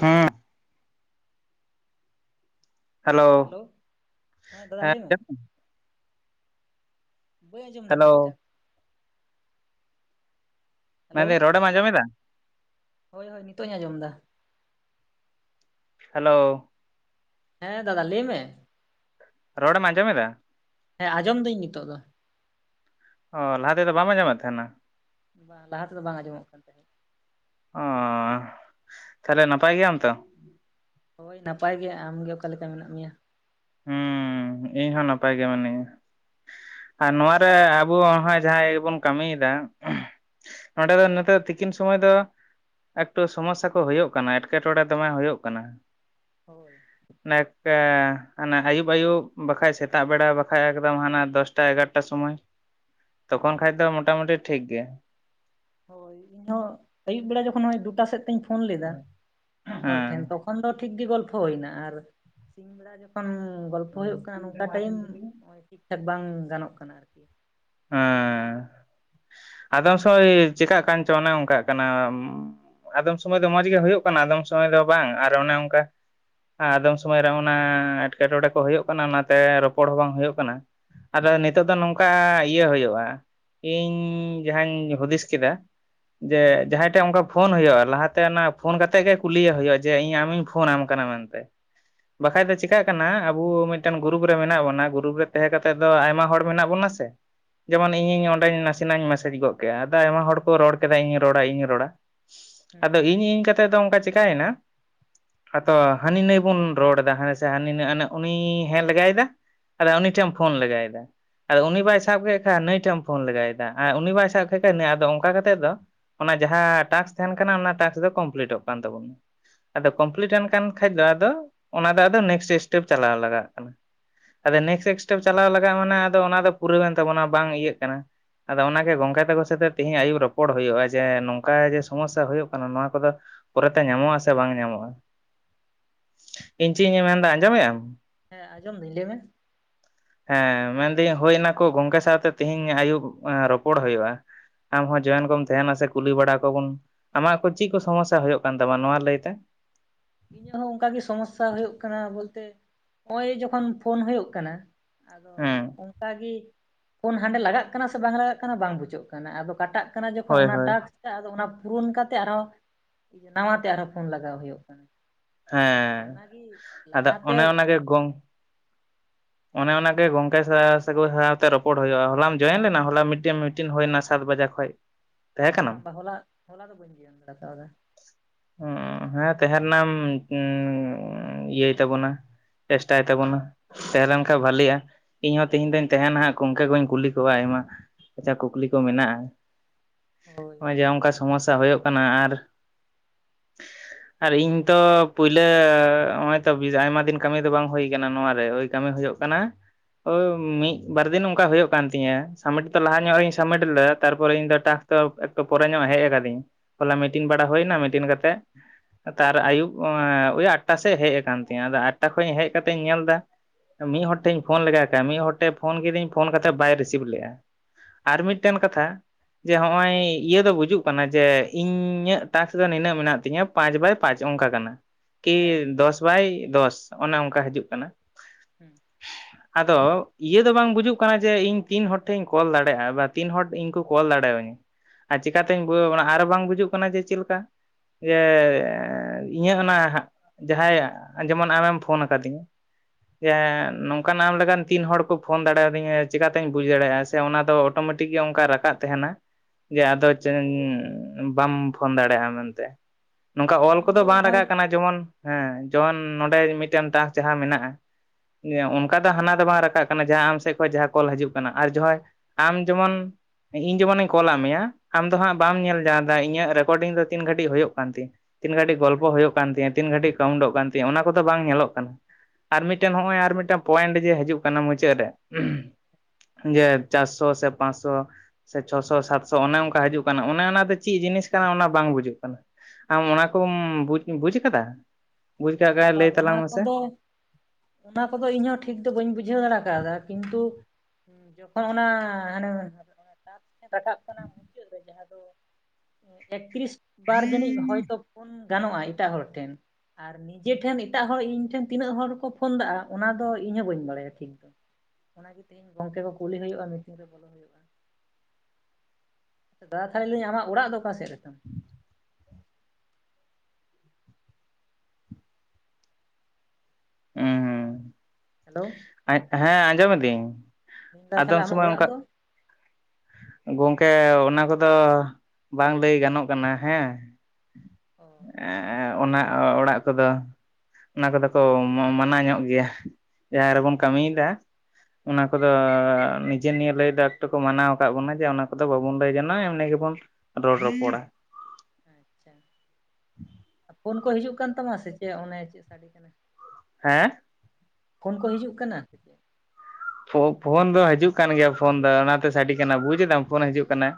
ᱦᱮᱸ ᱦᱮᱞᱳ ᱦᱮᱸ ᱫᱟᱫᱟ ᱞᱟᱹᱭ ᱢᱮ [unintelligible] ᱵᱟᱹᱧ ᱟᱡᱚᱢ ᱫᱟ ᱦᱮᱞᱳ ᱴᱷᱤᱠ ᱴᱷᱟᱠ, ᱦᱮᱞᱳ ᱢᱮᱱᱫᱟᱹᱧ ᱨᱚᱲᱮᱢ ᱟᱸᱚᱢ ᱮᱫᱟ? ᱦᱳᱭ ᱦᱳᱭ ᱱᱤᱛᱚᱜ ᱤᱧ ᱟᱸᱡᱚᱢ ᱫᱟ, ᱦᱮᱞᱳ ᱾ ᱦᱮᱸ ᱫᱟᱫᱟ ᱞᱟᱹᱭ ᱢᱮ᱾ ᱨᱚᱲ ᱮᱢ ᱟᱡᱚᱢ ᱮᱫᱟ? ᱦᱮᱸ ᱟᱸᱡᱚᱢ ᱫᱟᱹᱧ ᱱᱤᱛᱚᱜ ᱫᱚ᱾ ᱚᱸ ᱞᱟᱦᱟ ᱛᱮᱫᱚ ᱵᱟᱢ ᱟᱸᱡᱚᱢᱮᱫ ᱛᱟᱦᱮᱱᱟ? ᱵᱟᱝ ᱞᱟᱦᱟ ᱛᱮᱫᱚ ᱵᱟᱝ ᱟᱸᱡᱚᱢᱚᱜ ᱠᱟᱱ ᱛᱟᱦᱮᱸᱫ᱾ ᱚᱸ ᱛᱟᱦᱚᱞᱮ ᱱᱟᱯᱟᱭ ᱜᱮᱭᱟᱢ ᱛᱚ? ᱦᱳᱭ ᱱᱟᱯᱟᱭ ᱜᱮ ᱟᱢ ᱜᱮ ᱚᱠᱟ ᱞᱮᱠᱟ ᱢᱮᱱᱟᱜ ᱢᱮᱭᱟ? ᱦᱩᱸᱻ ᱤᱧ ᱦᱚᱸ ᱱᱟᱯᱟᱭ ᱜᱮ ᱢᱤᱱᱤᱧᱟ, ᱟᱨ ᱱᱚᱣᱟᱨᱮ ᱟᱵᱚ ᱦᱟᱜ ᱡᱟᱦᱟᱸᱭ ᱵᱚᱱ ᱠᱟᱹᱢᱤᱭᱮᱫᱟ ᱱᱚᱸᱰᱮ ᱫᱚ ᱱᱤᱛᱚᱜ ᱛᱤᱠᱤᱱ ᱥᱩᱚᱢᱚᱭ ᱫᱚ ᱮᱠᱴᱩ ᱥᱚᱢᱚᱥᱥᱟ ᱠᱚ ᱦᱩᱭᱩᱜ ᱠᱟᱱᱟ ᱮᱸᱴᱠᱮᱴᱚᱬᱮ ᱫᱚᱢᱮ ᱦᱩᱭᱩᱜ ᱠᱟᱱᱟ᱾ [inaudible] [unintelligible] ᱦᱟᱱᱮ ᱟᱹᱭᱩᱵ ᱟᱹᱭᱩᱵ ᱵᱟᱠᱷᱟᱡ ᱥᱮᱛᱟᱜ ᱵᱮᱲᱟ ᱵᱟᱠᱷᱟᱡ ᱮᱠᱫᱚᱢ ᱦᱟᱱᱟ ᱫᱚᱥᱴᱟ ᱮᱜᱟᱨᱚᱴᱟ ᱥᱚᱢᱚᱭ, ᱛᱚᱠᱷᱚᱱ ᱠᱷᱟᱡ ᱫᱚ ᱢᱳᱴᱟ-ᱢᱩᱴᱤ ᱴᱷᱤᱠ ᱜᱮ᱾ ᱦᱳᱭ ᱤᱧ ᱦᱚᱸ ᱟᱹᱭᱩᱵ ᱵᱮᱲᱟ ᱡᱚᱠᱷᱚᱱ ᱱᱚᱜ-ᱚᱭ ᱫᱩᱴᱟ ᱥᱮᱫ ᱛᱤᱧ ᱯᱷᱳᱱ ᱞᱮᱫᱟ, ᱢᱤᱫ ᱦᱚᱲ ᱦᱮᱸ ᱴᱷᱮᱱ ᱛᱚ ᱛᱚᱠᱷᱚᱱ ᱫᱚ ᱴᱷᱤᱠ ᱜᱮ ᱜᱚᱞᱯᱷᱚ ᱦᱩᱭᱱᱟ ᱟᱨ ᱥᱤᱧ ᱵᱮᱲᱟ ᱡᱚᱠᱷᱚᱱ ᱜᱚᱞᱯᱷᱚ ᱦᱩᱭᱩᱜ ᱠᱟᱱᱟ ᱱᱚᱝᱠᱟ ᱴᱟᱭᱤᱢ ᱦᱮᱸ ᱱᱚᱜ-ᱚᱭ ᱴᱷᱤᱠ ᱴᱷᱟᱠ ᱵᱟᱝ ᱜᱟᱱᱚᱜ ᱠᱟᱱᱟ ᱟᱨ ᱠᱤ, ᱦᱮᱸ ᱟᱫᱚᱢ ᱥᱚᱢᱚᱭ ᱪᱮᱠᱟᱜ ᱠᱟᱱ ᱪᱚ ᱚᱱᱮ ᱚᱱᱠᱟᱜ ᱠᱟᱱᱟ᱾ ᱟᱫᱚᱢ ᱥᱚᱢᱚᱭ ᱫᱚ ᱢᱚᱸᱡᱽ ᱜᱮ ᱦᱩᱭᱩᱜ ᱠᱟᱱᱟ ᱟᱫᱚᱢ ᱥᱚᱢᱚᱭ ᱫᱚ ᱵᱟᱝ ᱟᱨ ᱚᱱᱮ ᱚᱱᱠᱟ, ᱟᱫᱚᱢ ᱥᱚᱢᱚᱭ ᱨᱮ ᱚᱱᱟ ᱮᱴᱠᱮᱴᱚᱬᱮ ᱠᱚ ᱦᱩᱭᱩᱜ ᱠᱟᱱᱟ ᱚᱱᱟᱛᱮ ᱨᱚᱯᱚᱲ ᱦᱚᱸ ᱵᱟᱝ ᱦᱩᱭᱩᱜ ᱠᱟᱱᱟ᱾ ᱟᱫᱚ ᱱᱤᱛᱚᱜ ᱫᱚ ᱱᱚᱝᱠᱟ ᱟᱡ ᱤᱭᱟᱹ ᱦᱩᱭᱩᱜᱼᱟ ᱤᱧ ᱡᱟᱦᱟᱸᱧ ᱦᱩᱫᱤᱥ ᱠᱮᱫᱟ ᱦᱩᱸ ᱡᱮ ᱡᱟᱦᱟᱭ ᱢᱤᱫᱴᱮᱱ ᱯᱷᱳᱱ ᱦᱩᱭᱩᱜᱼᱟ ᱞᱟᱦᱟᱛᱮ ᱚᱱᱟ ᱯᱷᱳᱱ ᱠᱟᱛᱮᱜ ᱜᱮ ᱠᱩᱞᱤᱭᱮ ᱦᱩᱭᱩᱜᱼᱟ ᱡᱮ ᱤᱧ ᱟᱢᱤᱧ ᱯᱷᱳᱱᱟᱢ ᱠᱟᱱᱟ ᱢᱮᱱᱛᱮ᱾ ᱵᱟᱠᱷᱟᱡ ᱫᱚ ᱪᱮᱠᱟᱜ ᱦᱮᱸ ᱟᱵᱚ ᱢᱤᱫᱴᱮᱱ ᱜᱩᱨᱩᱯ ᱨᱮ ᱢᱮᱱᱟᱜ ᱵᱚᱱᱟ ᱜᱩᱨᱩᱯ ᱨᱮ ᱛᱟᱦᱮᱸ ᱠᱟᱛᱮ ᱫᱚ ᱟᱭᱢᱟ ᱦᱚᱲ ᱢᱮᱱᱟᱜ ᱵᱚᱱᱟ ᱥᱮ ᱦᱩᱸ ᱡᱮᱢᱚᱱ ᱤᱧᱤᱧ ᱚᱸᱰᱮ ᱱᱟᱥᱮᱱᱟᱜᱧ ᱢᱮᱥᱮᱡᱽ ᱜᱚᱜ ᱠᱮᱜ-ᱟ, ᱟᱫᱚ ᱟᱭᱢᱟ ᱦᱚᱲ ᱠᱚ ᱨᱚᱲ ᱠᱮᱫᱟ, ᱤᱧ ᱨᱚᱲᱟ ᱤᱧ ᱨᱚᱲᱟ᱾ ᱦᱩᱸ ᱟᱫᱚ ᱤᱧ ᱤᱧ ᱠᱟᱛᱮᱫ ᱫᱚ, ᱚᱱᱠᱟ ᱪᱮᱤᱠᱟᱹᱭᱱᱟ? ᱟᱫᱚ ᱦᱟᱹᱱᱤ ᱱᱟᱹᱭ ᱵᱚᱱ ᱨᱚᱲ ᱫᱟ, ᱦᱟᱱᱮ ᱥᱮ ᱦᱟᱹᱱᱤ ᱱᱟᱹᱭ ᱩᱱᱤ ᱦᱮ ᱞᱮᱜᱟᱭᱮᱫᱟ᱾ ᱟᱫᱚ ᱩᱱᱤ ᱴᱷᱮᱜ ᱮᱢ ᱯᱷᱳᱱ ᱞᱮᱜᱟᱭ ᱫᱟ ᱟᱫᱚ ᱩᱱᱤ ᱵᱟᱭ ᱥᱟᱵ ᱠᱮᱫ ᱱᱟᱹᱭ ᱴᱷᱮ ᱮᱢ ᱯᱷᱳᱱ ᱞᱮᱜᱟᱭᱮᱫᱟ ᱟᱨ, ᱩᱱᱤ ᱵᱟᱭ ᱥᱟᱵ ᱠᱟᱷᱱ ᱟᱫᱚ ᱚᱱᱠᱟ ᱠᱟᱛᱮᱫ ᱫᱚ? ᱚᱱᱟ ᱡᱟᱦᱟᱸ ᱴᱟᱠᱥ ᱛᱟᱦᱮᱱ ᱠᱟᱱᱟ ᱚᱱᱟ ᱴᱟᱠᱥ ᱫᱚ ᱠᱚᱢᱯᱞᱤᱴᱚᱜ ᱠᱟᱱ ᱛᱟᱵᱚᱱᱟ᱾ ᱟᱫᱚ ᱦᱳᱭ ᱠᱚᱢᱯᱞᱤᱴᱮᱱ ᱠᱟᱱ ᱠᱷᱟᱭᱡ ᱫᱚ ᱟᱫᱚ ᱚᱱᱟ ᱫᱚ ᱟᱫᱚ ᱱᱮᱠᱥᱴ ᱥᱴᱮᱯ ᱪᱟᱞᱟᱣ ᱞᱟᱜᱟᱜ ᱠᱟᱱᱟ᱾ ᱟᱫᱚ ᱦᱩᱸ ᱱᱮᱠᱥᱴ ᱮᱠ ᱥᱴᱮᱯ ᱪᱟᱞᱟᱣ ᱞᱟᱜᱟᱜ-ᱟ ᱢᱟᱱᱮ ᱟᱫᱚ ᱚᱱᱟ ᱫᱚ ᱯᱩᱨᱟᱹᱣᱮᱱ ᱛᱟᱵᱚᱱᱟ ᱵᱟᱝ ᱤᱭᱟᱹᱜ ᱠᱟᱱᱟ᱾ ᱟᱫᱚ ᱚᱱᱟ ᱜᱮ ᱜᱚᱝᱠᱮ ᱛᱟᱠᱚ ᱥᱟᱛᱮᱜ ᱛᱮᱤᱦᱤᱧ ᱟᱹᱭᱩᱵ ᱨᱚᱯᱚᱲ ᱦᱩᱭᱩᱜ-ᱟ ᱡᱮ ᱱᱚᱝᱠᱟ ᱡᱮ ᱥᱚᱢᱚᱥᱟ ᱦᱩᱭᱩᱜ ᱠᱟᱱᱟ ᱱᱚᱣᱟ ᱠᱚ ᱫᱚ᱾ ᱯᱚᱨᱮᱛᱮ ᱧᱟᱢᱚᱜ ᱟᱥᱮ ᱵᱟᱝ ᱧᱟᱢᱚᱜ-ᱟ ᱤᱧ ᱪᱮᱫ ᱤᱧ ᱢᱮᱱᱫᱟ ᱟᱸᱡᱚᱢᱮᱜ ᱟᱢ᱾ ᱦᱮᱸ ᱟᱸᱡᱚᱢ ᱫᱟᱹᱧ ᱞᱟᱹᱭ ᱢᱮ᱾ ᱦᱮᱸ ᱢᱮᱱᱫᱟᱹᱧ ᱦᱳᱭ ᱱᱟ ᱠᱚ ᱜᱚᱝᱠᱮ ᱥᱟᱶ ᱛᱮ ᱛᱮᱦᱤᱧ ᱟᱹᱭᱩᱵ ᱨᱚᱯᱚᱲ ᱦᱩᱭᱩᱜ-ᱟ ᱟᱢᱦᱚᱸ ᱡᱚᱭᱮᱱ ᱠᱚᱢ ᱛᱟᱦᱮᱱᱟ ᱥᱮ ᱠᱩᱞᱤ ᱵᱟᱲᱟ ᱠᱚᱵᱚᱱ᱾ ᱟᱢᱟᱜ ᱠᱚ ᱪᱮᱫ ᱠᱚ ᱥᱚᱢᱚᱥᱟ ᱦᱩᱭᱩᱜ ᱠᱟᱱ ᱛᱟᱢᱟ ᱱᱚᱣᱟ ᱞᱟᱹᱭᱛᱮ? ᱤᱧᱟᱹᱜ ᱦᱚᱸ ᱚᱱᱠᱟᱜ ᱜᱮ ᱥᱚᱢᱚᱥᱟ ᱦᱩᱭᱩᱜ ᱠᱟᱱᱟ ᱵᱚᱞᱛᱮ ᱱᱚᱜ-ᱚᱭ ᱡᱚᱠᱷᱚᱱ ᱯᱷᱳᱱ ᱦᱩᱭᱩᱜ ᱠᱟᱱᱟ᱾ ᱟᱫᱚ ᱦᱮᱸ ᱚᱱᱠᱟᱜ ᱜᱮ ᱯᱷᱳᱱ ᱦᱟᱸᱰᱮ ᱞᱟᱜᱟᱜ ᱠᱟᱱᱟ ᱥᱮ ᱵᱟᱝ ᱞᱟᱜᱟᱜ ᱠᱟᱱᱟ ᱵᱟᱝ ᱵᱩᱡᱷᱟᱹᱜ ᱠᱟᱱᱟ ᱟᱫᱚ ᱠᱟᱴᱟᱜ ᱠᱟᱱᱟ ᱡᱚᱠᱷᱚᱱ ᱦᱳᱭ ᱚᱱᱟ ᱦᱳᱭ ᱴᱟᱠᱥ, ᱟᱫᱚ ᱚᱱᱟ ᱯᱩᱨᱩᱱ ᱠᱟᱛᱮᱜ ᱟᱨ ᱦᱚᱸ ᱱᱟᱣᱟ ᱛᱮ ᱟᱨ ᱦᱚᱸ ᱯᱷᱳᱱ ᱞᱟᱜᱟᱣ ᱦᱩᱭᱩᱜ ᱠᱟᱱᱟ᱾ ᱦᱮᱸ ᱚᱱᱟᱜᱮ ᱟᱫᱚ ᱞᱟᱦᱟᱛᱮ ᱚᱱᱮ ᱚᱱᱟ ᱜᱮ ᱜᱚᱝ ᱚᱱᱮ ᱦᱮᱸ ᱞᱟᱹᱭ ᱚᱱᱟ ᱜᱮ ᱜᱚᱝᱠ ᱠᱮ ᱥᱟᱣᱛᱮ ᱥᱟᱹᱜᱩᱣᱟᱹ ᱥᱟᱶᱛᱮ ᱨᱚᱯᱚᱲ ᱦᱩᱭᱩᱜ-ᱟ ᱦᱚᱞᱟᱢ ᱡᱚᱭᱮᱱ ᱞᱮᱱᱟ ᱦᱚᱞᱟ ᱢᱤᱴᱮ ᱢᱤᱴᱤᱱ ᱦᱩᱭᱱᱟ ᱥᱟᱛ ᱵᱟᱡᱟ ᱠᱷᱚᱩᱡ? ᱵᱟᱝ ᱵᱟ ᱦᱚᱞᱟ ᱦᱚᱞᱟ ᱫᱚ ᱵᱟᱹᱧ ᱡᱚᱭᱮᱱ ᱞᱮᱫᱟ ᱛᱟᱦᱚᱞᱮ᱾ ᱚᱸ ᱦᱮᱸ ᱛᱟᱦᱮᱸᱱᱟᱢ᱾ ᱤᱭᱟᱹᱭ ᱛᱟᱵᱚᱱᱟ ᱪᱮᱥᱴᱟᱭ ᱛᱟᱵᱚᱱᱟ ᱛᱟᱦᱮᱸᱞᱮᱱ ᱦᱩᱸ ᱠᱷᱟᱱ ᱵᱷᱟᱞᱮᱜ-ᱟ᱾ ᱤᱧ ᱦᱚᱸ ᱛᱮᱦᱤᱧ ᱫᱚᱧ ᱛᱟᱦᱮᱱᱟ ᱦᱟᱸᱜ ᱜᱩᱝᱠᱟᱹ ᱠᱚᱧ ᱠᱩᱞᱤ ᱠᱚᱣᱟ ᱟᱭᱢᱟ ᱟᱪᱷᱟ ᱠᱩᱠᱞᱤ ᱠᱚ ᱢᱮᱱᱟᱜ-ᱟ᱾ ᱦᱳᱭ ᱱᱚᱜ-ᱚᱭ ᱡᱮ ᱚᱱᱠᱟ, ᱥᱚᱢᱚᱥᱟ ᱦᱩᱭᱩᱜ ᱠᱟᱱᱟ ᱟᱨ ᱼᱟᱨ ᱤᱧ ᱛᱚ, ᱯᱳᱭᱞᱟᱹ ᱱᱚᱜ-ᱚᱭ ᱛᱚ ᱟᱭᱢᱟ ᱫᱤᱱ ᱠᱟᱹᱢᱤ ᱫᱚ ᱵᱟᱝ ᱦᱩᱭ ᱠᱟᱱᱟ ᱱᱚᱣᱟ ᱨᱮ ᱦᱳᱭ ᱠᱟᱹᱢᱤ ᱦᱩᱭᱩᱜ ᱠᱟᱱᱟ᱾ ᱢᱤᱫ ᱵᱟᱨ ᱫᱤᱱ ᱚᱱᱠᱟ ᱦᱩᱭᱩᱜ ᱠᱟᱱ ᱛᱤᱧᱟᱹ ᱥᱟᱵᱢᱤᱴ ᱛᱚ ᱞᱟᱦᱟ ᱧᱚᱜ ᱨᱤᱧ ᱥᱟᱵᱢᱤᱴ ᱞᱮᱫᱟ ᱛᱟᱨᱯᱚᱨᱮ ᱤᱧ ᱫᱚ ᱴᱟ ᱛᱚ ᱮᱠᱴᱩ ᱯᱚᱨᱮ ᱧᱚᱜ ᱦᱮᱡ ᱠᱟᱹᱫᱤᱧ ᱦᱚᱞᱟ ᱢᱤᱴᱤᱱ ᱵᱟᱲᱟ ᱦᱮᱸ ᱦᱩᱭᱱᱟ ᱢᱤᱴᱤᱱ ᱠᱟᱛᱮ ᱛᱟᱨ ᱟᱹᱭᱩᱵ᱾ ᱳᱭ ᱟᱴ ᱴᱟ ᱥᱮᱫ ᱦᱮᱜ ᱟᱠᱟᱱ ᱛᱤᱧᱟ ᱟᱫᱚ ᱟᱴ ᱴᱟ ᱠᱷᱚᱱ ᱦᱮᱜ ᱠᱟᱛᱮᱜ ᱤᱧ ᱧᱮᱞ ᱮᱫᱟ᱾ ᱢᱤᱫ ᱦᱚᱲ ᱴᱷᱮᱜ ᱤᱧ ᱯᱷᱳᱱ ᱞᱮᱜᱟ ᱠᱮᱭᱟ ᱢᱤᱫ ᱦᱚᱲ ᱴᱷᱮᱱ ᱯᱷᱳᱱ ᱠᱤᱫᱤᱧ ᱯᱷᱳᱱ ᱠᱟᱛᱮᱜ ᱵᱟᱭ ᱨᱤᱥᱤᱵᱷ ᱞᱮ-ᱟ᱾ ᱟᱨ ᱦᱮᱸ ᱢᱤᱫᱴᱮᱱ ᱠᱟᱛᱷᱟ, ᱡᱮ ᱱᱚᱜ-ᱚᱭ ᱤᱭᱟᱹ ᱫᱚ ᱵᱩᱡᱩᱜ ᱠᱟᱱᱟ ᱡᱮ ᱤᱧᱟᱹᱜ ᱴᱟᱠᱥ ᱫᱚ ᱱᱤᱱᱟᱹᱜ ᱢᱮᱱᱟᱜ ᱛᱤᱧᱟᱹ ᱯᱟᱸᱪ ᱵᱟᱭ ᱯᱟᱸᱪ ᱚᱱᱠᱟ ᱜᱮ᱾ ᱠᱟᱱᱟ ᱠᱤ ᱦᱮᱸ ᱫᱚᱥ ᱵᱟᱭ ᱫᱚᱥ ᱚᱱᱮ ᱚᱱᱠᱟ ᱦᱤᱡᱩᱜ ᱠᱟᱱᱟ᱾ ᱦᱮᱸ, ᱦᱮᱸ ᱟᱫᱚ ᱤᱭᱟᱹ ᱫᱚ ᱵᱟᱝ ᱵᱩᱡᱩᱜ ᱠᱟᱱᱟ ᱡᱮ ᱤᱧ ᱛᱤᱱ ᱦᱚᱲ ᱴᱷᱮᱱ ᱤᱧ ᱠᱚᱞ ᱫᱟᱲᱮᱭᱟᱜ-ᱟ ᱵᱟ ᱛᱤᱱ ᱦᱚᱲ ᱤᱧ ᱠᱚ ᱠᱚᱞ ᱫᱟᱲᱮᱭᱟᱹᱧᱟ? ᱟᱨ ᱪᱮᱠᱟᱛᱤᱧ [unintelligible] ᱟᱨ ᱵᱟᱝ ᱵᱩᱡᱩᱜ ᱠᱟᱱᱟ ᱡᱮ ᱪᱮᱫᱞᱮᱠᱟ ᱡᱮ, ᱤᱧᱟᱹᱜ ᱱᱟᱦᱟᱜ ᱡᱟᱦᱟᱸᱭ ᱡᱮᱢᱚᱱ ᱟᱢᱮᱢ ᱯᱷᱳᱱ ᱟᱠᱟᱫᱤᱧᱟ ᱡᱮ ᱦᱮᱸ ᱱᱚᱝ ᱚᱱᱠᱟᱱ ᱟᱢ ᱞᱮᱠᱟᱱ ᱛᱤᱱ ᱦᱚᱲ ᱠᱚ ᱯᱷᱳᱱ ᱫᱟᱲᱮᱭᱟᱫᱤᱧᱟ ᱪᱤᱠᱟᱹᱛᱤᱧ ᱵᱩᱡᱽ ᱫᱟᱲᱮᱭᱟᱜ-ᱟ ᱥᱮ ᱚᱱᱟ ᱫᱚ ᱚᱴᱳᱢᱮᱴᱤᱠ ᱜᱮ ᱚᱱᱠᱟ ᱨᱟᱠᱟᱵ ᱛᱟᱦᱮᱱᱟ? ᱡᱮ ᱟᱫᱚ ᱪᱮᱱ ᱵᱟᱢ ᱯᱷᱳᱱ ᱫᱟᱲᱮᱭᱟᱜ-ᱟ ᱢᱮᱱᱛᱮ ᱱᱚᱝᱠᱟ ᱚᱞ ᱯᱷᱳᱱ ᱫᱚ ᱦᱳᱭ ᱚᱱᱠᱟ ᱡᱮᱢᱚᱱ ᱦᱮᱸ ᱡᱮᱢᱚᱱ ᱱᱚᱸᱰᱮ ᱢᱤᱫᱴᱮᱱ ᱴᱟᱠᱥ ᱡᱟᱦᱟᱸ ᱢᱮᱱᱟᱜ-ᱟ᱾ ᱡᱮ ᱱᱚᱜ ᱼᱚᱭ ᱚᱱᱠᱟ ᱫᱚ ᱦᱟᱱᱟ ᱫᱚ ᱵᱟᱝ ᱨᱟᱠᱟᱵ ᱠᱟᱱᱟ ᱡᱟᱦᱟᱸ ᱟᱢ ᱥᱮᱫ ᱠᱷᱳᱚᱡ ᱡᱟᱦᱟᱸ ᱠᱚᱞ ᱦᱤᱡᱩᱜ ᱠᱟᱱᱟ ᱟᱨ ᱡᱚᱦᱚᱭ ᱟᱢ ᱡᱮᱢᱚᱱ, ᱤᱧ ᱡᱮᱢᱚᱱᱤᱧ ᱠᱚᱞᱟᱜ ᱢᱮᱭᱟ ᱟᱢ ᱫᱚ ᱦᱟᱸᱜ ᱵᱟᱢ ᱧᱮᱞ ᱧᱟᱢᱫᱟ ᱤᱧᱟᱹᱜ ᱨᱮᱠᱚᱨᱰᱤᱝ ᱫᱚ ᱛᱤᱱ ᱜᱷᱟᱹᱲᱤᱡ ᱦᱩᱭᱩᱜ ᱠᱟᱱ ᱛᱤᱧ᱾ ᱛᱤᱱ ᱜᱷᱴᱤᱡ ᱜᱚᱞᱯᱚ ᱦᱩᱭᱩᱜ ᱠᱟᱱ ᱛᱤᱧᱟᱹ ᱛᱤᱱ ᱜᱷᱴᱤᱡ ᱠᱟᱣᱩᱱᱴᱚᱜ ᱠᱟᱱ ᱛᱤᱧᱟᱹ ᱚᱱᱟ ᱠᱚᱫᱚ ᱵᱟᱝ ᱧᱮᱞᱚᱜ ᱠᱟᱱ᱾᱾ ᱟᱨ ᱢᱤᱫᱴᱮᱱ ᱱᱚᱜ-ᱚᱭ ᱟᱨ ᱢᱤᱫᱴᱮᱱ ᱯᱚᱭᱮᱱᱴ ᱡᱮ ᱦᱤᱡᱩᱜ ᱠᱟᱱᱟ ᱢᱩᱪᱟᱹᱫ ᱨᱮ᱾ ᱡᱮ ᱪᱟᱨᱥᱚ ᱥᱮ ᱯᱟᱸᱪᱥᱚ, ᱥᱮ ᱪᱷᱚᱥᱚ ᱥᱟᱛᱥᱚ ᱚᱱᱮ ᱚᱱᱠᱟ ᱦᱤᱡᱩᱜ ᱠᱟᱱᱟ ᱚᱱᱮ ᱚᱱᱟ ᱫᱚ ᱪᱮᱫ ᱡᱤᱱᱤᱥ ᱠᱟᱱᱟ ᱚᱱᱟ ᱵᱟᱝ ᱵᱩᱡᱩᱜ ᱠᱟᱱᱟ᱾ ᱟᱢ ᱚᱱᱟ ᱠᱚᱢ ᱵᱩᱡᱽ ᱵᱩᱡᱽ ᱠᱟᱫᱟ? ᱵᱟᱼᱵᱟ ᱚᱱᱟ ᱠᱚᱫᱚ ᱚᱱᱟ ᱠᱚᱫᱚ ᱤᱧ ᱦᱚᱸ ᱴᱷᱤᱠ ᱫᱚ ᱵᱟᱹᱧ ᱵᱩᱡᱷᱟᱹᱣ ᱫᱟᱲᱟ ᱠᱟᱣᱫᱟ ᱠᱤᱱᱛᱩ, ᱡᱚᱠᱷᱚᱱ ᱚᱱᱟᱻ ᱦᱟᱱᱮ ᱚᱱᱟ ᱚᱱᱮ ᱫᱚ ᱴᱟᱠᱥ, ᱨᱟᱠᱟᱵ ᱠᱟᱱᱟ ᱢᱩᱪᱟᱹᱫ ᱨᱮ ᱡᱟᱦᱟᱸ ᱫᱚ ᱮᱠᱛᱨᱤᱥ ᱵᱟᱨ ᱡᱟᱹᱱᱤᱡ ᱦᱚᱭᱛᱳ ᱩᱯᱳᱱ ᱜᱟᱱᱚᱜᱼᱟ ᱮᱴᱟᱜ ᱦᱚᱲ ᱴᱷᱮᱱ᱾ ᱟᱨ ᱱᱤᱡᱮᱮᱴᱷᱮᱱ ᱮᱴᱟᱜ ᱦᱚᱲ ᱤᱧ ᱴᱷᱮᱱ ᱛᱤᱱᱟᱹᱜ ᱦᱚᱲ ᱠᱚ ᱯᱷᱳᱱ ᱫᱟᱜᱼᱟ ᱚᱱᱟ ᱫᱚ ᱤᱧ ᱦᱚᱸ ᱵᱟᱹᱧ ᱵᱟᱲᱟᱭᱟ ᱴᱷᱤᱠ, ᱫᱚ ᱚᱱᱟᱜᱮ ᱛᱮᱤᱦᱤᱧ ᱜᱚᱝᱠᱮ ᱠᱚ ᱠᱩᱞᱤ ᱦᱩᱭᱩᱜᱼᱟ ᱢᱤᱴᱤᱝ ᱨᱮ ᱵᱚᱞᱚ ᱦᱩᱭᱩᱜᱼᱟ᱾ ᱫᱟᱫᱟ ᱛᱟᱦᱞᱮ ᱞᱟᱹᱭᱟᱹᱧ ᱟᱢᱟᱜ ᱳᱲᱟᱜ ᱫᱚ ᱚᱠᱟ ᱥᱮᱜ ᱨᱮᱛᱟᱢ? ᱩᱸ ᱦᱮᱞᱳ ᱦᱩᱸ ᱟᱸᱡᱚᱢᱤᱫᱟᱹᱧ ᱫᱟ ᱟᱫᱚ ᱛᱟᱦᱚᱞᱮ ᱩᱱ ᱟᱢᱟᱜ ᱥᱢᱚᱭ ᱚᱲᱟᱜ ᱚᱝᱠᱟᱜᱼᱼ ᱫᱚ ᱜᱚᱝᱠᱮᱻ ᱚᱱᱟ ᱠᱚᱫᱚᱻ ᱵᱟᱝ ᱞᱟᱹᱭ ᱜᱟᱱᱚᱜ ᱠᱟᱱᱟ ᱦᱮᱸᱼᱼ ᱚ ᱮᱸᱻ ᱮᱸᱻᱵ [inaudible] ᱚᱱᱟ ᱚᱲᱟᱜ ᱠᱚᱫᱚ, ᱚᱱᱟ ᱠᱚᱫᱚ ᱠᱚ ᱢᱟᱱᱟ ᱧᱚᱜ ᱜᱮᱭᱟ᱾ ᱡᱟᱦᱟᱸ ᱨᱮᱵᱚᱱ ᱟᱪᱪᱷᱟ ᱠᱟᱹᱢᱤᱭᱮᱫᱟ ᱚᱱᱟ ᱦᱮᱸ ᱦᱮᱸ ᱠᱚᱫᱚᱻ ᱱᱤᱡᱮ - ᱱᱤᱭᱮ ᱞᱟᱹᱭ ᱫᱚ ᱮᱠᱴᱩ ᱠᱚ ᱢᱟᱱᱟ ᱠᱟᱜ ᱵᱚᱱᱟ ᱡᱮ ᱚᱱᱟ ᱠᱚᱫᱚ ᱵᱟᱵᱚᱱ ᱞᱟᱹᱭ ᱡᱟᱱᱚᱜᱼᱟ ᱮᱢᱱᱤ ᱜᱮᱵᱚᱱ ᱨᱚᱲ ᱨᱚᱯᱚᱲᱟ᱾ ᱟᱪᱪᱷᱟ ᱯᱷᱳᱱ ᱠᱚ ᱦᱤᱡᱩᱜ ᱠᱟᱱ ᱛᱟᱢᱟ ᱥᱮ ᱪᱮᱜ ᱚᱱᱮ ᱪᱮ ᱥᱟᱰᱮ ᱠᱟᱱᱟ? ᱦᱮᱸ? ᱯᱷᱳᱱ ᱠᱚ ᱦᱤᱡᱩᱜ ᱠᱟᱱᱟ? ᱯᱷᱳᱜ - ᱯᱷᱳᱱ ᱫᱚ ᱦᱟᱹᱡᱩᱜ ᱠᱟᱱ ᱜᱮᱭᱟ ᱯᱷᱳᱱ ᱫᱚ ᱚᱱᱟᱛᱮ ᱥᱟᱰᱤ ᱠᱟᱱᱟ ᱵᱩᱡᱽ ᱮᱫᱟᱢ ᱯᱷᱳᱱ ᱦᱟᱹᱡᱩᱜ ᱠᱟᱱᱟ?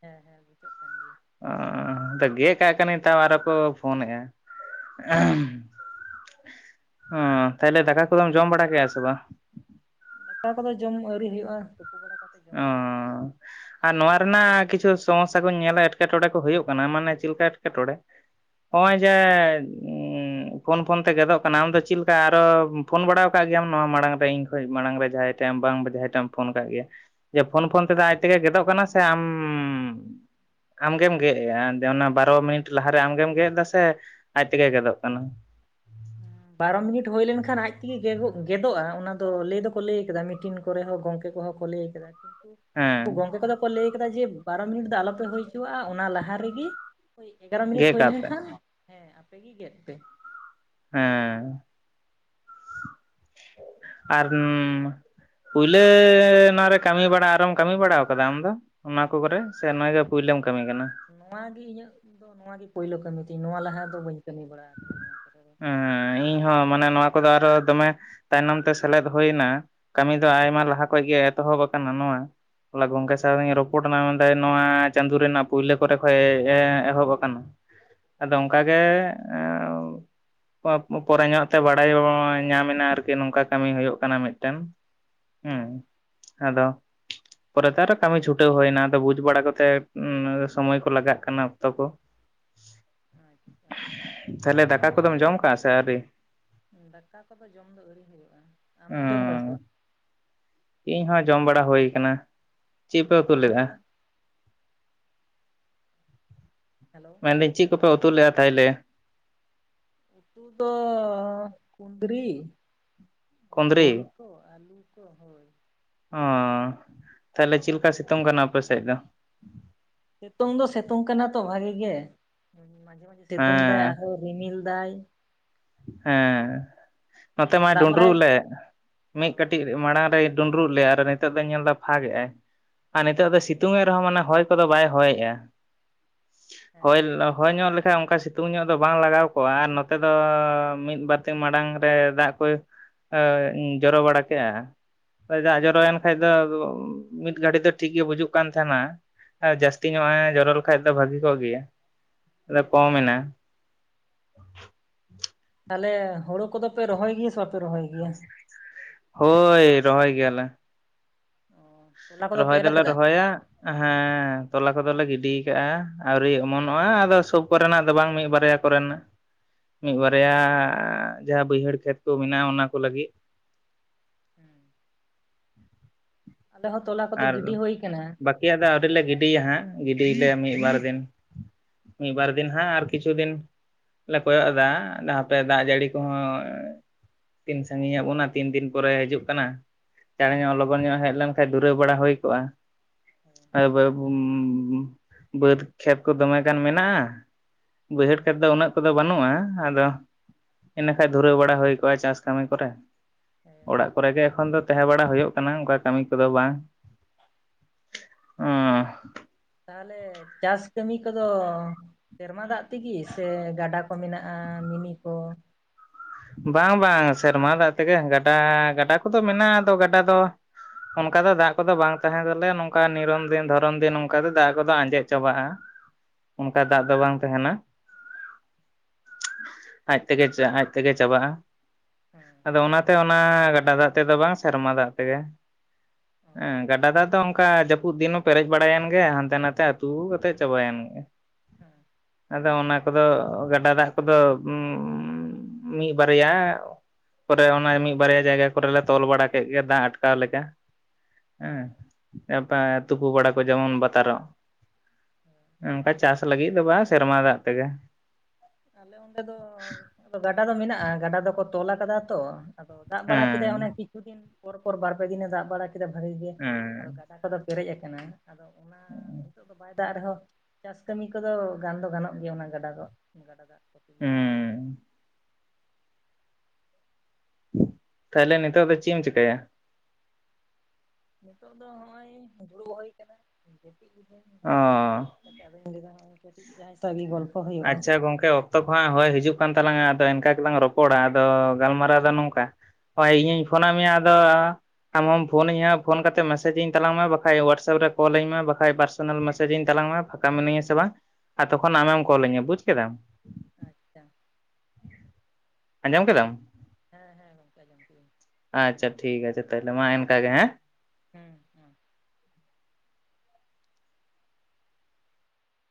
ᱦᱮᱸ- ᱦᱮᱸ ᱵᱩᱡᱚᱜ ᱠᱟᱱ ᱜᱮᱭᱟ᱾ ᱚᱸᱻ ᱜᱮ ᱠᱟᱜ ᱠᱟᱹᱱᱟᱹᱧ ᱛᱟᱣ ᱟᱨ ᱠᱚ ᱯᱷᱳᱱᱮᱜᱼᱟ᱾ ᱚᱸ ᱛᱟᱦᱞᱮ ᱫᱟᱠᱟ ᱠᱚᱫᱚᱢ ᱡᱚᱢ ᱵᱟᱲᱟ ᱠᱮᱜ - ᱟ ᱥᱮ ᱵᱟᱝ? ᱫᱟᱠᱟ ᱠᱚᱫᱚ ᱡᱚᱢ ᱟᱹᱣᱨᱤ ᱦᱩᱭᱩᱜᱼᱟ ᱛᱩᱯᱩ ᱵᱟᱲᱟ ᱠᱚᱼᱼ ᱚᱸᱻ ᱟᱨ ᱱᱚᱣᱟ ᱟᱢᱫᱚᱢ ᱡᱚᱢ ᱨᱮᱱᱟᱜ ᱟᱠᱟᱫᱟ ᱥᱮ ᱵᱟᱝ? ᱠᱤᱪᱷᱩᱥᱼᱼ ᱥᱚᱢᱚᱥᱥᱟ ᱠᱚᱧ ᱧᱮᱞᱟ ᱮᱴᱠᱮᱴᱚᱬᱮ ᱠᱚ ᱦᱩᱭᱩᱜ ᱠᱟᱱᱟ ᱢᱟᱱᱮ ᱪᱤᱞᱠᱟ ᱮᱴᱠᱮᱴᱚᱬᱮ? ᱚᱸᱭ ᱼ ᱡᱮᱻᱫ ᱩᱸ ᱯᱷᱳᱱ - ᱯᱷᱳᱱ ᱛᱮ ᱜᱮᱫᱚᱜ ᱠᱟᱱᱟ ᱟᱢ ᱫᱚ ᱪᱤᱞᱠᱟ ᱟᱨᱚ ᱯᱷᱳᱱ ᱵᱟᱲᱟᱣ ᱠᱟᱜ ᱜᱮᱭᱟᱢ ᱱᱚᱣᱟ ᱢᱟᱲᱟᱝ ᱨᱮ ᱤᱧ ᱠᱷᱚᱱ ᱢᱟᱲᱟᱝ ᱨᱮ ᱡᱟᱦᱟᱭ? ᱵᱟᱝ ᱵᱟᱰᱟᱭ ᱡᱟᱦᱟᱸᱭ ᱴᱮᱢ ᱯᱷᱳᱱ ᱠᱟᱜ ᱜᱮᱭᱟ ᱡᱮ ᱯᱷᱳᱱ - ᱯᱷᱳᱱ ᱛᱮᱫᱚ ᱟᱡ ᱛᱮᱜᱮ ᱜᱮᱫᱚᱜ ᱠᱟᱱᱟ ᱥᱮ ᱟᱻᱢ? ᱟᱢᱜᱮᱢ ᱜᱮᱜ ᱮᱼᱟ ᱚᱱᱟ ᱵᱟᱨᱚ ᱢᱤᱱᱤᱴ ᱞᱟᱦᱟᱨᱮ ᱟᱢᱜᱮᱢ ᱜᱮᱜ ᱮᱫᱟ ᱥᱮ ᱟᱡᱛᱮᱜᱮ ᱜᱮᱫᱚᱜ ᱠᱟᱱᱟ? ᱦᱩᱸ [unintelligible] ᱵᱟᱨᱚ ᱢᱤᱱᱤᱴ ᱦᱩᱭ ᱞᱮᱱᱠᱷᱟᱱ ᱟᱡ ᱛᱮᱜᱮ ᱜᱮᱫᱚᱜᱼᱟ ᱚᱱᱟ ᱫᱚ ᱞᱟᱹᱭ ᱫᱚᱠᱚ ᱞᱟᱹᱭ ᱟᱠᱟᱫᱟ ᱢᱤᱫᱴᱤᱱᱼᱼ ᱠᱚᱨᱮ ᱦᱚᱸ ᱜᱚᱝᱠᱮ ᱠᱚᱦᱚᱸ ᱠ ᱞᱤᱭ ᱟᱠᱟᱫᱟ᱾ ᱩᱱᱠᱩ ᱦᱮᱸ ᱜᱚᱝᱠᱮ ᱠᱚᱫᱚ ᱠᱚ ᱞᱟᱹᱭ ᱠᱟᱫᱟ ᱡᱮ ᱵᱟᱨᱚ ᱢᱤᱱᱤᱴ ᱫᱚ ᱟᱞᱚᱯᱮ ᱦᱩᱭ ᱦᱚᱪᱚᱣᱟᱜᱼᱟ ᱚᱱᱟ ᱞᱟᱦᱟ ᱨᱮᱜᱮᱼᱼ ᱳᱭ ᱮᱜᱟᱨᱚ ᱢᱤᱱᱤᱴ ᱜᱮᱫ ᱦᱩᱭ ᱠᱟᱜ ᱞᱮᱱ ᱯᱮ ᱠᱷᱟᱱ ᱦᱮᱸ ᱟᱯᱮᱜ ᱜᱮ ᱜᱮᱫ ᱯᱮ, ᱦᱮᱸᱻ ᱟᱨᱚᱻᱱ ᱯᱳᱭᱞᱟᱹ ᱱᱚᱣᱟᱨᱮ ᱠᱟᱹᱢᱤ ᱵᱟᱲᱟ ᱟᱨᱚᱢ ᱠᱟᱹᱢᱤ ᱵᱟᱲᱟᱣ ᱠᱟᱫᱟ ᱟᱢ ᱫᱚ? ᱚᱱᱟ ᱠᱚ ᱠᱚᱨᱮ ᱥᱮ ᱱᱚᱣᱟ ᱜᱮ ᱯᱩᱭᱞᱟᱹᱢ ᱠᱟᱹᱢᱤ ᱠᱟᱱᱟ? ᱱᱚᱣᱟ ᱜᱤ ᱤᱧᱟᱹᱜ ᱫᱚ ᱱᱚᱣᱟ ᱱᱚᱣᱟ ᱜᱮ ᱯᱳᱭᱞᱳ ᱠᱟᱹᱢᱤ ᱛᱤᱧ ᱱᱚᱣᱟ ᱞᱟᱦᱟ ᱫᱚ ᱵᱟᱹᱧ ᱠᱟᱹᱢᱤ ᱵᱟᱲᱟ ᱟᱠᱟᱫᱟ ᱱᱚᱣᱟ ᱠᱚᱨᱮ ᱫᱚ᱾ ᱩᱸᱻᱤᱧ ᱦᱚᱸ ᱢᱟᱱᱮ ᱱᱚᱣᱟ ᱠᱚᱫᱚ ᱟᱨᱚ ᱫᱚᱢᱮᱼᱼ ᱛᱟᱭᱱᱚᱢ ᱛᱮ ᱥᱮᱞᱮᱫᱽ ᱦᱩᱭᱱᱟ ᱠᱟᱹᱢᱤ ᱫᱚ ᱟᱭᱢᱟ ᱞᱟᱦᱟ ᱠᱷᱚᱡ ᱜᱮ ᱮᱛᱚᱦᱚᱵ ᱟᱠᱟᱱᱟ ᱱᱚᱣᱟ᱾ ᱦᱚᱞᱟ ᱜᱚᱝᱠᱮ ᱦᱩᱸ ᱥᱟᱣ ᱤᱧ ᱨᱚᱯᱼᱼ ᱠᱳᱰᱱᱟ ᱢᱮᱱᱫᱟᱭ ᱱᱚᱣᱟᱻ ᱪᱟᱸᱫᱳ ᱨᱮᱱᱟᱜ ᱯᱳᱭᱞᱳ ᱠᱚᱨᱮ ᱠᱷᱚᱡ ᱮᱦᱚᱵ ᱟᱠᱟᱱᱟ, ᱟᱫᱚ ᱦᱮᱸ ᱚᱝᱠᱟ ᱜᱮᱼᱼ ᱦᱮᱻ ᱮᱸᱻᱣ ᱯᱚᱨᱮ ᱧᱚᱜ ᱛᱮ ᱵᱟᱲᱟᱭᱚᱸ ᱧᱟᱢ ᱟᱨᱠᱤ ᱱᱚᱝᱠᱟ ᱠᱟᱹᱢᱤ ᱦᱩᱭᱩᱜ ᱠᱟᱱᱟ ᱢᱤᱫᱛᱮᱱ᱾ [unintelligible] ᱦᱩᱸ ᱟᱫᱚᱼᱼ ᱯᱚᱨᱮᱛᱮ ᱟᱨᱚ ᱠᱟᱹᱢᱤ ᱪᱷᱩᱴᱟᱹᱣ ᱦᱩᱭᱱᱟ ᱟᱫᱚ ᱵᱩᱡᱴᱽ ᱵᱟᱲᱟ ᱠᱟᱛᱮ ᱥᱚᱢᱚᱭ ᱠᱚ ᱞᱟᱜᱟᱜ ᱠᱟᱱᱟ ᱚᱠᱛᱚ ᱠᱚ᱾ ᱟᱪᱪᱷᱟ ᱛᱟᱦᱞᱮ ᱤᱧ ᱦᱚᱸ ᱫᱟᱠᱟ ᱠᱚᱫᱚᱢ ᱱᱚᱜᱼᱚᱭ ᱡᱚᱢ ᱠᱟᱜᱼᱟ ᱥᱮ ᱟᱹᱣᱨᱤ? ᱫᱟᱠᱟ ᱠᱚᱫᱚ ᱡᱚᱢ ᱫᱚ ᱟᱹᱣᱨᱤ ᱦᱩᱭᱩᱜ-ᱟ ᱟᱢᱮᱢ ᱡᱚᱢ ᱠᱟᱜ - ᱟ ᱥᱮ ᱚᱸ ᱵᱟᱝ? ᱤᱧ ᱦᱚᱸ ᱡᱚᱢ ᱵᱟᱲᱟ ᱦᱩᱭ ᱠᱟᱱᱟ ᱪᱮᱜ ᱯᱮ ᱵᱟᱝ ᱩᱛᱩ ᱛᱩᱯᱩ ᱞᱮᱜᱼᱟ? ᱠᱚᱫᱚ ᱦᱮᱞᱳ ᱢᱮᱱᱫᱟᱝ ᱪᱮᱫ ᱠᱚᱯᱮ ᱩᱛᱩ ᱞᱮᱫᱼᱟ ᱛᱟᱦᱚᱞᱮ? ᱩᱛᱩ ᱫᱚ ᱠᱩᱸᱫᱽᱨᱤ ᱠᱩᱸᱫᱽᱨᱤ? ᱵᱩᱲᱤᱼᱼ ᱛᱚ ᱟᱞᱤᱧ ᱠᱚ ᱚᱦᱤᱧ ᱚ ᱛᱟᱦᱚᱞᱮ ᱪᱮᱫ ᱞᱮᱠᱟ ᱥᱤᱛᱩᱝ ᱠᱟᱱᱟ ᱟᱯᱮ ᱥᱮᱫ ᱫᱚ? ᱥᱤᱛᱩᱝ ᱫᱚ ᱥᱤᱛᱩᱝ ᱠᱟᱱᱟ ᱛᱚ ᱵᱷᱟᱹᱜᱤ ᱜᱮ ᱢᱟᱡᱷᱮ-ᱢᱟᱡᱷᱮ ᱥᱤᱛᱩᱝ ᱫᱟᱭ ᱦᱮᱸ ᱨᱤᱢᱤᱞ ᱫᱟᱭ ᱦᱮᱸ ᱱᱚᱛᱮ ᱢᱟᱭ ᱫᱟᱜ ᱰᱩᱸᱰᱨᱩᱜ ᱵᱟᱲᱟᱭ ᱞᱮᱫ ᱚ ᱢᱤᱫ ᱠᱟᱹᱴᱤᱡ ᱢᱟᱲᱟᱝ ᱨᱮᱭ ᱰᱩᱸᱰᱨᱩᱜ ᱞᱮᱜ-ᱟ ᱟᱨ ᱱᱤᱛᱚᱜ ᱫᱚᱧ ᱧᱮᱞ ᱮᱫᱟ ᱯᱷᱟᱫᱟ ᱠᱮᱜ-ᱟᱭ ᱟᱨ ᱚ ᱱᱤᱛᱚᱜ ᱫᱚ ᱥᱤᱛᱩᱝ ᱮ ᱨᱮᱦᱚᱸ ᱢᱟᱱᱮ ᱦᱚᱭ ᱠᱚᱫᱚ ᱵᱟᱭ ᱦᱚᱭᱮᱜᱼᱟ᱾ ᱦᱮᱸ ᱦᱚᱭ, ᱦᱮᱸ ᱦᱚᱭ ᱧᱚᱜ ᱞᱮᱠᱷᱟᱭ ᱚᱱᱠᱟ ᱥᱤᱛᱩᱝ ᱧᱚᱜ ᱫᱚ ᱵᱟᱝ ᱞᱟᱜᱟᱣ ᱠᱚᱜᱼᱟ ᱟᱨ ᱱᱚᱛᱮ ᱫᱚ ᱢᱤᱫ ᱵᱟᱨᱛᱮ ᱢᱟᱲᱟᱝ ᱨᱮ ᱫᱟᱜ ᱠᱚᱭ ᱡᱚᱨᱚ ᱵᱟᱲᱟ ᱠᱮᱜᱼᱟ᱾ ᱟᱫᱚ ᱫᱟᱜ ᱦᱩᱸ ᱡᱚᱨᱚᱭᱮᱱ ᱠᱷᱟᱡ ᱫᱚ ᱢᱤᱫ ᱜᱷᱟᱹᱲᱤᱠ ᱫᱚ ᱴᱷᱤᱠ ᱜᱮ ᱵᱩᱡᱩᱜ ᱠᱟᱱ ᱛᱟᱦᱮᱱᱟ᱾ ᱟᱨ ᱡᱟᱹᱥᱛᱤ ᱧᱚᱜ ᱮ ᱡᱚᱨᱚ ᱞᱮᱠᱷᱟᱡ ᱫᱚ ᱵᱷᱟᱹᱜᱤ ᱠᱚᱜ ᱜᱮᱭᱟ ᱟᱫᱚ ᱦᱩᱸ ᱠᱚᱢ ᱮᱱᱟ᱾ ᱛᱟᱦᱚᱞᱮ ᱦᱳᱲᱳ ᱠᱚᱫᱚᱯᱮ ᱨᱚᱦᱚᱭ ᱜᱮᱭᱟ ᱥᱮ ᱵᱟᱯᱮ ᱨᱚᱦᱚᱭ ᱜᱮᱭᱟ ᱦᱚᱭ ᱨᱚᱦᱚᱭ ᱜᱮᱭᱟᱞᱮ᱾ ᱚᱸ ᱨᱚᱦᱚᱭ ᱫᱚᱞᱮ ᱨᱚᱦᱚᱭᱟ ᱦᱮᱸ ᱛᱚᱞᱟ ᱠᱚᱫᱚᱞᱮ ᱜᱤᱰᱤᱭ ᱟᱠᱟᱜᱼᱟ ᱟᱹᱣᱨᱤ ᱚᱢᱚᱱᱚᱜᱼᱟ ᱟᱫᱚ ᱥᱚᱵ ᱠᱚᱨᱮᱱᱟᱜ ᱫᱚ ᱵᱟᱝ ᱢᱤᱫ ᱵᱟᱨᱭᱟ ᱠᱚᱨᱮᱱᱟᱜ ᱢᱤᱫ ᱵᱟᱨᱭᱟ ᱡᱟᱦᱟᱸ ᱵᱟᱹᱭᱦᱟᱹᱲ ᱠᱷᱮᱛ ᱠᱚ ᱢᱮᱱᱟᱜᱼᱟ ᱚᱱᱟ ᱠᱚ ᱞᱟᱹᱜᱤᱫ ᱦᱮᱸ ᱟᱞᱮ ᱦᱚᱸ ᱛᱚᱞᱟ ᱠᱚᱫᱚ ᱜᱤᱰᱤ ᱦᱩᱭ ᱟᱠᱟᱱᱟ ᱴᱤᱠᱭᱟᱹ ᱫᱚ ᱟᱣᱨᱤ ᱞᱮ ᱜᱤᱰᱤᱭᱟ ᱦᱟᱸᱜ ᱜᱤᱰᱤᱭᱞᱮ ᱢᱤᱫ ᱵᱟᱨ ᱫᱤᱱ᱾ ᱢᱤ ᱵᱟᱨ ᱫᱤᱱ ᱦᱟᱸᱜ ᱟᱨ ᱠᱤᱪᱷᱩ ᱫᱤᱱ ᱞᱮ ᱠᱚᱭᱚᱜ ᱮᱫᱟ ᱦᱟᱸᱯᱮ ᱫᱟᱜ ᱡᱟᱹᱲᱤ ᱠᱚᱦᱚᱸ ᱛᱤᱱ ᱥᱟᱺᱜᱤᱧᱟᱜ ᱵᱚᱱᱟ ᱛᱤᱱ ᱫᱤᱱ ᱠᱚᱨᱮ ᱦᱤᱡᱩᱜ ᱠᱟᱱᱟ ᱪᱟᱸᱬᱮ ᱦᱩᱸ ᱧᱚᱜ ᱞᱚᱜᱚᱱ ᱧᱚᱜ ᱦᱮᱡ ᱞᱮᱱᱠᱷᱟᱱ ᱫᱩᱨᱟᱹᱣ ᱵᱟᱲᱟ ᱦᱩᱭ ᱠᱚᱜᱼᱟ ᱦᱮᱸ ᱦᱩᱸ ᱟᱫᱚ ᱵᱟᱹ ᱵᱟᱹᱫᱽ ᱠᱷᱮᱛ ᱠᱚ ᱫᱚᱢᱮ ᱜᱟᱱ ᱢᱮᱱᱟᱜᱼᱟ ᱵᱟᱹᱭᱦᱟᱹᱲ ᱦᱮᱸ ᱠᱷᱮᱛ ᱫᱚ ᱩᱱᱟᱹᱜ ᱠᱚᱫᱚ ᱵᱟᱹᱱᱩᱜᱼᱟ ᱟᱫᱚ ᱤᱱᱟᱹ ᱠᱷᱟᱱ ᱫᱷᱩᱨᱟᱹᱣ ᱵᱟᱲᱟ ᱦᱩᱭ ᱠᱚᱜᱼᱟ ᱪᱟᱥ ᱠᱟᱹᱢᱤ ᱠᱚᱨᱮ ᱚᱲᱟᱜ ᱠᱚᱨᱮ ᱜᱮ ᱮᱠᱷᱚᱱ ᱫᱚ ᱛᱟᱦᱮᱸ ᱵᱟᱲᱟ ᱦᱩᱭᱩᱜ ᱠᱟᱱᱟ ᱚᱱᱠᱟ ᱠᱟᱹᱢᱤ ᱠᱚᱫᱚ ᱵᱟᱝ ᱦᱚᱸ ᱛᱟᱦᱚᱞᱮ ᱪᱟᱥ ᱠᱟᱹᱢᱤ ᱠᱚᱫᱚ ᱥᱮᱨᱢᱟ ᱫᱟᱜ ᱛᱮᱜᱮ ᱥᱮ ᱜᱟᱰᱟ ᱠᱚ ᱢᱮᱱᱟᱜᱼᱟ ᱢᱤᱱᱤ ᱠᱚ ᱵᱟᱝ-ᱵᱟᱝ ᱥᱮᱨᱢᱟ ᱫᱟᱜ ᱛᱮᱜᱮ ᱜᱟᱰᱟ, ᱜᱟᱰᱟ ᱠᱚᱫᱚ ᱢᱮᱱᱟᱜᱼᱟ ᱟᱫᱚ ᱜᱟᱰᱟ ᱫᱚ ᱚᱱᱠᱟ ᱫᱚ ᱫᱟᱜ ᱠᱚᱫᱚ ᱵᱟᱝ ᱛᱟᱦᱮᱸ ᱛᱟᱞᱮ ᱱᱚᱝᱠᱟ ᱱᱤᱨᱚᱢ ᱫᱤᱱ ᱫᱷᱚᱨᱚᱢ ᱫᱤᱱ ᱚᱱᱠᱟ ᱫᱚ ᱫᱟᱜ ᱠᱚᱫᱚ ᱟᱸᱡᱮᱫ ᱪᱟᱵᱟᱜᱼᱟ᱾ ᱪᱮᱫ ᱦᱚᱸ ᱵᱟᱝ ᱟᱸᱡᱚᱢᱚᱜ ᱠᱟᱱᱟ ᱚᱱᱠᱟ ᱫᱟᱜ ᱫᱚ ᱵᱟᱝ ᱛᱟᱦᱮᱱᱟ ᱟᱡ ᱛᱮᱜᱮ ᱟᱡ ᱛᱮᱜᱮ ᱪᱟᱵᱟᱜᱼᱟ ᱟᱫᱚ ᱚᱱᱟᱛᱮ ᱚᱱᱟ ᱜᱟᱰᱟ ᱫᱟᱜ ᱛᱮᱫᱚ ᱵᱟᱝ ᱥᱮᱨᱢᱟ ᱫᱟᱜ ᱛᱮᱜᱮ ᱦᱮᱸ ᱜᱟᱰᱟ ᱫᱟ ᱚᱱᱠᱟ ᱡᱟᱹᱯᱩᱫ ᱫᱤᱱ ᱦᱚᱸ ᱯᱮᱨᱮᱡ ᱵᱟᱲᱟᱭᱮᱱ ᱜᱮ ᱦᱟᱱᱛᱮ- ᱱᱟᱛᱮ ᱟᱹᱛᱩ ᱠᱟᱛᱮᱡ ᱪᱟᱵᱟᱭᱮᱱ ᱜᱮ ᱦᱮᱸ ᱟᱫᱚ ᱚᱱᱟ ᱠᱚᱫᱚ ᱜᱟᱰᱟ ᱫᱟᱜ ᱠᱚᱫᱚ ᱢᱤᱫ ᱵᱟᱨᱭᱟ ᱯᱚᱨᱮ ᱚᱱᱟ ᱢᱤᱫ ᱵᱟᱨᱭᱟ ᱡᱟᱭᱜᱟ ᱠᱚᱨᱮᱞᱮ ᱛᱚᱞ ᱵᱟᱲᱟ ᱠᱮᱫ ᱜᱮ ᱫᱟᱜ ᱟᱴᱠᱟᱣ ᱞᱮᱠᱟ ᱦᱮᱸ ᱛᱩᱯᱩ ᱵᱟᱲᱟ ᱠᱚ ᱡᱮᱢᱚᱱ ᱵᱟᱛᱟᱨᱚᱜ ᱚᱱᱠᱟ ᱪᱟᱥ ᱞᱟᱹᱜᱤᱫ ᱫᱚ ᱵᱟᱝ ᱥᱮᱨᱢᱟ ᱫᱟᱜ ᱛᱮᱜᱮ ᱟᱞᱮ ᱚᱸᱰᱮ ᱫᱚ ᱜᱟᱰᱟ ᱫᱚ ᱢᱮᱱᱟᱜᱼᱟ ᱜᱟᱰᱟ ᱫᱚᱠᱚ ᱛᱚᱞ ᱟᱠᱟᱫᱟ ᱛᱚ ᱟᱫᱚ ᱫᱟᱜ ᱵᱟᱲᱟ ᱦᱮᱸ ᱠᱮᱫᱟᱭ ᱚᱱᱮ ᱠᱤᱪᱷᱩ ᱫᱤᱱ ᱯᱚᱨᱼᱯᱚᱨ ᱵᱟᱨ ᱯᱮ ᱫᱤᱱᱮ ᱫᱟᱜ ᱵᱟᱲᱟ ᱠᱮᱫᱟ ᱵᱷᱟᱨᱤ ᱜᱮ ᱦᱮᱸ ᱟᱫᱚ ᱫᱟᱜ ᱠᱚᱫᱚ ᱯᱮᱨᱮᱡ ᱟᱠᱟᱱᱟ ᱟᱫᱚ ᱚᱱᱟ ᱱᱤᱛᱚᱜ ᱫᱚ ᱵᱟᱭ ᱫᱟᱜ ᱨᱮᱦᱚᱸ ᱪᱟᱥ ᱠᱟᱹᱢᱤ ᱠᱚᱫᱚ ᱜᱟᱱ ᱫᱚ ᱜᱟᱱᱚᱜ ᱜᱮᱭᱟ ᱚᱱᱟ ᱜᱟᱰᱟ ᱫᱚ ᱜᱟᱰᱟ ᱫᱟᱜ ᱠᱚᱛᱮᱜᱮ ᱦᱮᱸ ᱛᱟᱦᱚᱞᱮ ᱱᱤᱛᱚᱜ ᱫᱚ ᱪᱮᱫ ᱮᱢ ᱪᱤᱠᱟᱭᱟ? ᱱᱤᱛᱚᱜ ᱫᱚ ᱱᱚᱜᱼᱚᱭ ᱫᱩᱲᱩᱵ ᱦᱩᱭ ᱟᱠᱟᱱᱟ ᱡᱯᱤᱡ ᱜᱤᱫᱟ. ᱧ ᱚ ᱡᱯᱤᱡ ᱠᱷᱚᱱᱜᱮ ᱠᱮᱫ ᱛᱤᱧᱟ ᱟᱫᱚᱧ ᱞᱟᱭ ᱫᱟ ᱠᱟᱹᱴᱤᱡ ᱡᱟᱦᱟᱭ ᱥᱟᱶᱜᱮᱧ ᱜᱚᱞᱯᱷᱚ ᱟᱪᱷᱟ ᱜᱚᱢᱠᱮ ᱚ ᱚᱠᱛᱚ ᱠᱚ ᱦᱟᱸᱜ ᱦᱚᱭ ᱦᱤᱡᱩᱜ ᱠᱟᱱ ᱛᱟᱞᱟᱝᱟ ᱟᱫᱚ ᱤᱱᱠᱟ ᱜᱮᱞᱟᱝ ᱨᱚᱯᱚᱲᱟ ᱟᱫᱚ ᱜᱟᱞᱢᱟᱨᱟᱣ ᱫᱚ ᱱᱚᱝᱠᱟ ᱦᱚᱭ ᱤᱧᱤᱧ ᱦᱮᱸ ᱯᱷᱚᱱᱟ ᱢᱮᱭᱟ ᱟᱫᱚ ᱟᱢ ᱦᱚᱢ ᱯᱷᱳᱱᱟᱹᱧᱟᱹ ᱯᱷᱳᱱ ᱠᱟᱛᱮ ᱢᱮᱮᱡᱽᱤᱧ ᱛᱞᱟᱝ ᱢᱮ ᱵᱟᱠᱷᱟᱡ ᱦᱚᱳᱣᱟᱴᱥᱮᱯ ᱨᱮ ᱠᱚᱞ ᱟᱹᱧ ᱢᱮ ᱵᱟᱠᱷᱟᱡ ᱯᱟᱨᱥ ᱯᱟᱨᱥᱚᱱᱟᱞ ᱢᱮᱥᱮᱡᱤᱧ ᱛᱟᱞᱟᱝ ᱢᱮ ᱯᱷᱟᱸᱠᱟ ᱢᱤᱱᱟᱹᱧᱟ ᱥᱮ ᱵᱟᱝ ᱟᱨ ᱛᱚᱠᱷᱚᱱ ᱦᱮᱸ ᱟᱢᱮᱢ ᱠᱚᱞ ᱟᱹᱧᱟ ᱵᱩᱡᱽ ᱠᱮᱫᱟᱢ᱾ ᱟᱪᱪᱷᱟ᱾ ᱟᱸᱡᱚᱢ ᱠᱮᱫᱟᱢ? ᱦᱮᱸ ᱦᱮᱸ ᱜᱚᱝᱠᱮ ᱟᱸᱡᱚᱢ ᱠᱮᱫᱟᱹᱧᱺ ᱟᱪᱪᱷᱟ ᱴᱷᱤᱠ ᱟᱪᱷᱮ ᱛᱟᱦᱞᱮ ᱢᱟ ᱤᱱᱠᱟ ᱜᱮ ᱦᱮᱸ᱾ ᱦᱩᱸ᱾